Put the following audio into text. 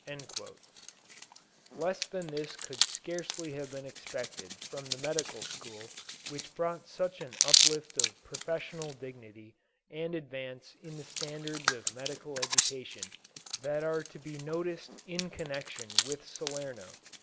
Less than this could scarcely have been expected from the medical school which brought such an uplift of professional dignity and advance in the standards of medical education that are to be noticed in connection with Salerno.